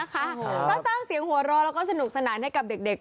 ก็สร้างเสียงหัวรอและสนุกสนานให้เด็ก